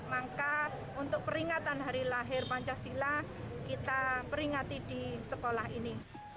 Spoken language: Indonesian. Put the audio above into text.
maka untuk peringatan hari lahir pancasila kita peringati di sekolah ini